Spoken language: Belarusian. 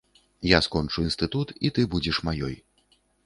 Я скончу інстытут, і ты будзеш маёй.